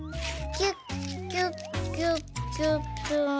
キュッキュッキュッキュッキュッ。